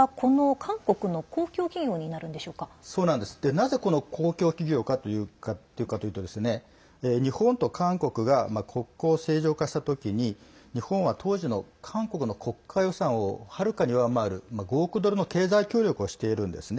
なぜ、この公共企業かというと日本と韓国が国交正常化した時に日本は当時の韓国の国家予算をはるかに上回る、５億ドルの経済協力をしているんですね。